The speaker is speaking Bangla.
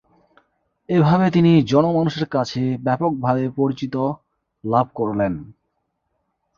এভাবে তিনি জন মানুষের কাছে ব্যাপকভাবে পরিচিত লাভ করলেন।